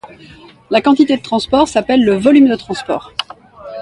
La quantité de transport s'appelle le volume de transport.